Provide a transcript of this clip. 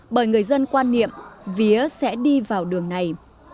bởi người dân quan niệm vía sẽ đi vào đường này